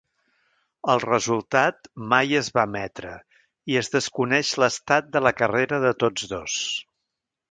El resultat mai es va emetre, i es desconeix l'estat de la carrera de tots dos.